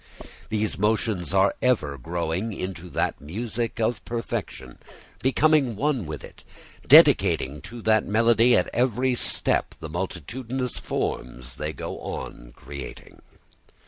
These motions are ever growing into that music of perfection, becoming one with it, dedicating to that melody at every step the multitudinous forms they go on creating.